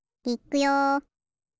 いっくよ。